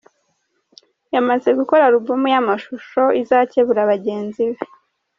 Yamaze gukora album y’amashusho izakebura bagenzi be.